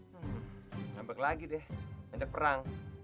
hmm nyambek lagi deh nganjak perang